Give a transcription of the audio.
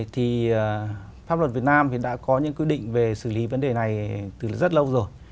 thì pháp luật việt nam hiện đã có những quy định về xử lý vấn đề này từ rất lâu rồi